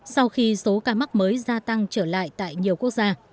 sau khi số ca mắc mới gia tăng trở lại tại nhiều quốc gia